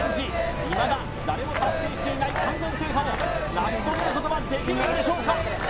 いまだ誰も達成していない完全制覇を成し遂げることはできるんでしょうか？